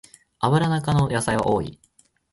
アブラナ科の野菜は多い